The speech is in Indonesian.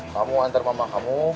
kamu antar mama kamu